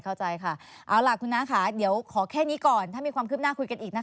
เข้าใจค่ะเอาล่ะคุณน้าค่ะเดี๋ยวขอแค่นี้ก่อนถ้ามีความคืบหน้าคุยกันอีกนะคะ